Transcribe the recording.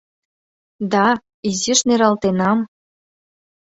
Да, изиш нералтенам.